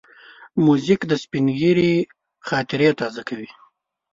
موزیک د سپینږیري خاطرې تازه کوي.